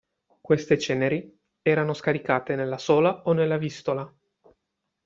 Queste ceneri erano scaricate nella Sola o nella Vistola.